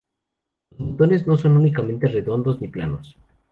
Los botones no son únicamente redondos, ni planos.